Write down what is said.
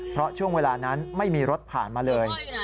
เพราะช่วงเวลานั้นไม่มีรถผ่านมาเลย